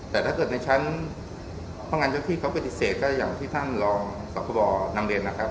แต่ถ้าเกิดในชั้นพนักงานเจ้าที่เขาปฏิเสธก็อย่างที่ท่านรองสรรคบนำเรียนนะครับ